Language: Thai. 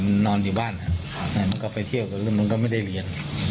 มันนอนอยู่บ้านครับอ่ามันก็ไปเที่ยวกับมันก็ไม่ได้เรียน